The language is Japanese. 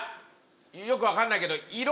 よく分かんないけど。